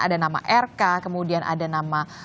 ada nama rk kemudian ada nama